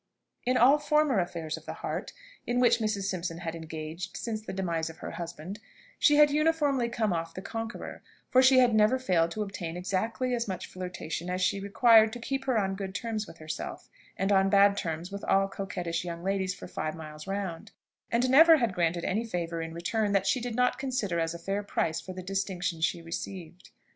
In all former affairs of the heart in which Mrs. Simpson had engaged since the demise of her husband, she had uniformly come off the conqueror; for she had never failed to obtain exactly as much flirtation as she required to keep her on good terms with herself, and on bad terms with all coquettish young ladies for five miles round, and never had granted any favour in return that she did not consider as a fair price for the distinction she received.